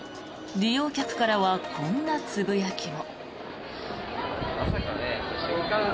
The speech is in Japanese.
利用客からはこんなつぶやきも。